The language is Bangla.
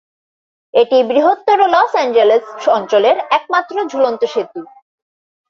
এটি বৃহত্তর লস অ্যাঞ্জেলেস অঞ্চলের একমাত্র ঝুলন্ত সেতু।